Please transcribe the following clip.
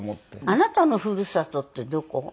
あなたのふるさとってどこ？